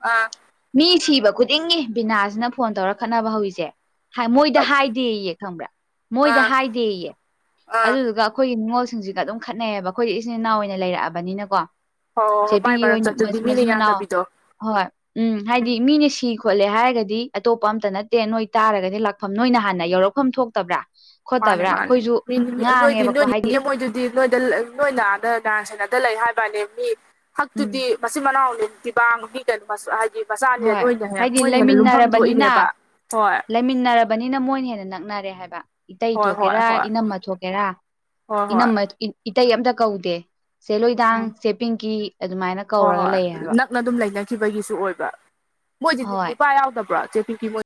Speaker 1: ꯑꯥ
Speaker 2: ꯃꯤ ꯁꯤꯕ ꯈꯨꯗꯤꯡꯒꯤ ꯕꯤꯅꯥꯁꯤꯅ ꯐꯣꯟ ꯇꯧꯔ ꯈꯠꯅꯕ ꯍꯧꯔꯤꯁꯦ ꯃꯣꯏꯗ
Speaker 1: ꯑꯥ ꯑꯥ
Speaker 2: ꯍꯥꯏꯗꯦꯌꯦ ꯈꯪꯕ꯭ꯔꯥ
Speaker 1: ꯍꯣꯏ
Speaker 2: ꯃꯣꯏꯗ
Speaker 1: ꯍꯣꯏ
Speaker 2: ꯍꯥꯏꯗꯦꯌꯦ ꯑꯗꯨꯗꯨꯒ ꯑꯩꯈꯣꯏꯒꯤ ꯅꯤꯡꯉꯣꯜꯁꯤꯡꯁꯤꯒ ꯑꯗꯨꯝ ꯈꯠꯅꯩꯑꯕ ꯑꯩꯈꯣꯏꯗꯤ ꯏꯆꯤꯟ ꯏꯅꯥꯎ ꯑꯣꯏꯅ ꯂꯩꯔꯛꯑꯕꯅꯤꯅꯀꯣ
Speaker 1: ꯍꯣꯏ
Speaker 2: ꯆꯦ
Speaker 1: ꯃꯥꯏ
Speaker 2: ꯄꯤꯡꯀꯤ
Speaker 1: ꯃꯔꯝ
Speaker 2: ꯍꯣꯏꯅ
Speaker 1: ꯆꯠꯇꯨꯗꯤ ꯃꯤꯅ
Speaker 2: ꯃꯆꯤꯟ ꯃꯅꯥꯎ
Speaker 1: ꯌꯥꯗꯕꯤꯗꯣ
Speaker 2: ꯍꯣꯏ ꯎꯝ ꯍꯥꯏꯗꯤ ꯃꯤꯅ ꯁꯤ ꯈꯣꯠꯂꯦ ꯍꯥꯏꯔꯒꯗꯤ ꯑꯇꯣꯞꯄ ꯑꯝꯇ ꯅꯠꯇꯦ ꯅꯣꯏ ꯇꯥꯔꯒꯗꯤ ꯂꯥꯛꯐꯝ ꯅꯣꯏꯅ ꯍꯥꯟꯅ ꯌꯧꯔꯛꯐꯝ ꯊꯣꯛ ꯇꯕ꯭ꯔꯥ
Speaker 1: ꯃꯥꯅꯦ ꯃꯥꯅꯦ ꯅꯣꯏꯗꯤ ꯅꯣꯏꯗꯤ ꯅꯣꯏ
Speaker 2: ꯍꯥꯏꯗꯤ
Speaker 1: ꯅꯦꯅꯦ ꯃꯣꯏꯗꯨꯗꯤ ꯅꯣꯏꯗ ꯅꯣꯏ ꯑꯥꯗ ꯗꯥꯟ ꯁꯅꯗ ꯂꯩ ꯍꯥꯏꯕꯅꯤ ꯃꯤ
Speaker 2: ꯎꯝ
Speaker 1: ꯍꯛꯇꯨꯗꯤ ꯃꯆꯤꯟ ꯃꯅꯥꯎꯅꯤ ꯈꯥ ꯃꯤꯒ ꯍꯥꯏꯗꯤ ꯃꯆꯥꯅꯤꯅ
Speaker 2: ꯍꯣꯏ
Speaker 1: ꯅꯣꯏꯅ ꯍꯟ
Speaker 2: ꯍꯥꯏꯗꯤ
Speaker 1: ꯃꯣꯏꯅ ꯍꯦꯟꯅ ꯂꯨꯝꯐꯝ
Speaker 2: ꯂꯩꯃꯤꯟꯅꯔꯕꯅꯤꯅ
Speaker 1: ꯊꯣꯛꯏꯅꯦꯕ ꯍꯣꯏ
Speaker 2: ꯂꯩꯃꯤꯟꯅꯔꯕꯅꯤꯅ ꯃꯣꯏꯅ ꯍꯦꯟꯅ ꯅꯛꯅꯔꯦ ꯍꯥꯏꯕ ꯏꯇꯩ
Speaker 1: ꯍꯣꯏ ꯍꯣꯏ
Speaker 2: ꯊꯣꯛꯀꯦꯔꯥ
Speaker 1: ꯍꯣꯏ
Speaker 2: ꯏꯅꯝꯃ ꯊꯣꯛꯀꯦꯔꯥ
Speaker 1: ꯍꯣꯏ ꯍꯣꯏ
Speaker 2: ꯏꯅꯝꯃꯥ ꯏꯇꯩ ꯑꯝꯇ ꯀꯧꯗꯦ ꯆꯦꯂꯣꯏꯗꯥꯡ
Speaker 1: ꯎꯝ
Speaker 2: ꯆꯦ ꯄꯤꯡꯀꯤ ꯑꯗꯨꯃꯥꯏꯅ
Speaker 1: ꯍꯣꯏ
Speaker 2: ꯀꯧꯔꯒ
Speaker 1: ꯍꯣꯏ
Speaker 2: ꯂꯩꯌꯦ ꯍꯥꯏꯕ
Speaker 1: ꯅꯛꯅ ꯑꯗꯨꯝ ꯂꯩꯅꯈꯤꯕꯒꯤꯁꯨ ꯑꯣꯏꯕ ꯃꯣꯏꯗꯤꯗꯤ
Speaker 2: ꯍꯣꯏ
Speaker 1: ꯅꯤꯄꯥ ꯌꯥꯎꯗꯕ꯭ꯔꯣ ꯆꯦꯄꯤꯛꯀꯤ ꯃꯣꯏ